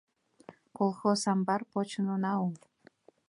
Колхоз амбар почын она ул.